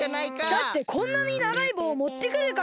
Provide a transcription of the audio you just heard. だってこんなにながいぼうもってくるから！